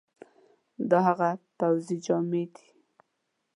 دا هغه پوځي جامي دي،